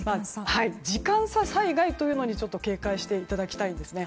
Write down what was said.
時間差災害というのに警戒していただきたいんですね。